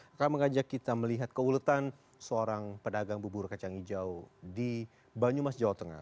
akan mengajak kita melihat keuletan seorang pedagang bubur kacang hijau di banyumas jawa tengah